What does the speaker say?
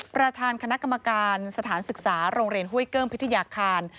ประธานคณะกรรมการสถานศึกษาโรงเรียนห้วยเกิ้งพิทยาคาร